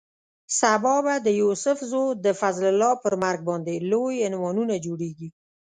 سبا به د یوسف زو د فضل الله پر مرګ باندې لوی عنوانونه جوړېږي.